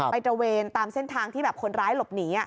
ตระเวนตามเส้นทางที่แบบคนร้ายหลบหนี